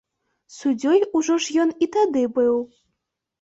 Суддзёй ужо ж ён і тады быў.